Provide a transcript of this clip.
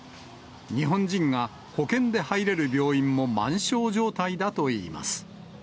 日本人が保険で入れる病院も満床状態だといいます。